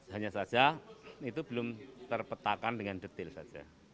hanya saja itu belum terpetakan dengan detail saja